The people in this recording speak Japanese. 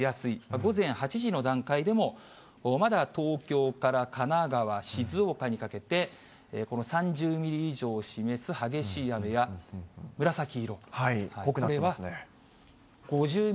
午前８時の段階でも、まだ東京から神奈川、静岡にかけて、この３０ミリ以上を示す激しい雨や紫色。